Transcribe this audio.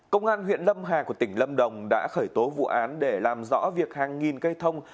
công an huyện lâm hà của tỉnh lâm đồng đã khởi tố vụ án để làm rõ việc hàng nghìn cây thông